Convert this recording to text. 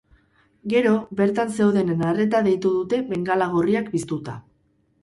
Gero, bertan zeudenen arreta deitu dute bengala gorriak piztuta.